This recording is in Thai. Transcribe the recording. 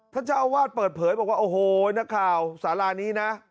ท่านเจ้าอาวาสเปิดเผยบอกว่าโอ้โหนักข่าวสารานี้นะ